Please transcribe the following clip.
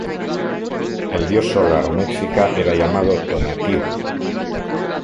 El dios solar mexica era llamado Tonatiuh.